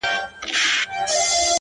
د حق ناره مي کړې ځانته غرغړې لټوم,